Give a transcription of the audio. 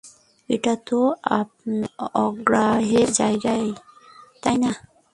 এটাইতো আপনার আগ্রহের জায়গা, তাইনা?